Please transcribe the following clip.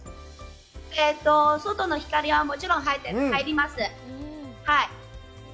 外の光はもちろん入ります。